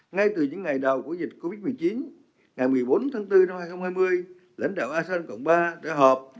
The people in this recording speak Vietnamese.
ngay từ những ngày đầu của dịch covid một mươi chín ngày một mươi bốn tháng bốn năm hai nghìn hai mươi lãnh đạo asean cộng ba đã họp